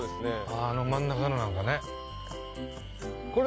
あの真ん中のなんかね。